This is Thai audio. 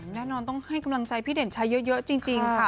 แน่นอนต้องให้กำลังใจพี่เด่นชัยเยอะจริงค่ะ